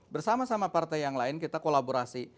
bersama sama partai yang lain kita kolaborasi